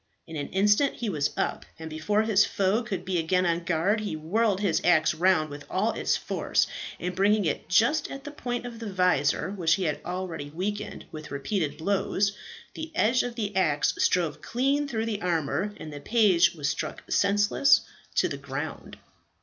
In an instant he was up, and before his foe could be again on guard, he whirled his axe round with all its force, and bringing it just at the point of the visor which he had already weakened with repeated blows, the edge of the axe stove clean through the armour, and the page was struck senseless to the ground.